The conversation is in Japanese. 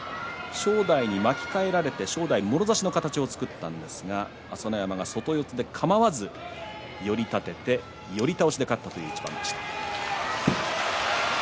正代に巻き替えられて正代、もろ差しの形を作ったんですが朝乃山が外四つでかまわず寄り立てて寄り倒しで勝ったという一番でした。